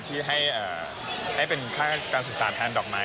ที่ให้เป็นการศึกษาทางดอกไม้